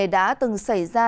đã từng xảy ra